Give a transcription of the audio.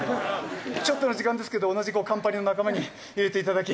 ちょっとの時間ですけど同じカンパニーの仲間に入れていただき息